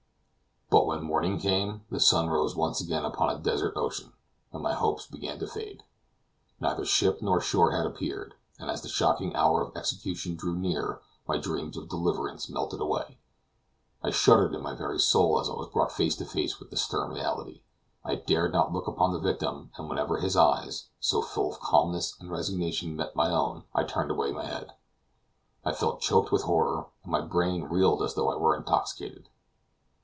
But when morning came, the sun rose once again upon a desert ocean, and my hopes began to fade. Neither ship nor shore had appeared, and as the shocking hour of execution drew near, my dreams of deliverance melted away; I shuddered in my very soul as I was brought face to face with the stern reality. I dared not look upon the victim, and whenever his eyes, so full of calmness and resignation, met my own, I turned away my head. I felt choked with horror, and my brain reeled as though I were intoxicated.